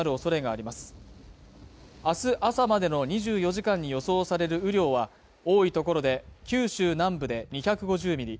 あす朝までの２４時間に予想される雨量は多い所で九州南部で２５０ミリ